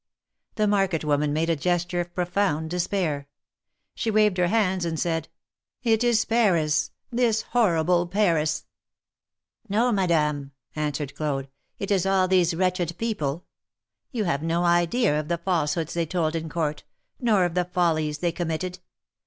The market woman made a gesture of profound despair. She waved her hands and said: "It is Paris — this horrible Paris!" "No, Madame," answered Claude, "it is all these wretched people. You have no idea of the falsehoods they told in court, nor of the follies they committed.